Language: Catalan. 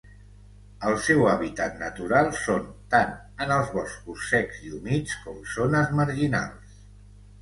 El seu hàbitat natural són tant en els boscos secs i humits com zones marginals.